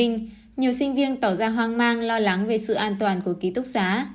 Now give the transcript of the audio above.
nhiều sinh viên tỏ ra hoang mang lo lắng về sự an toàn của ký túc xá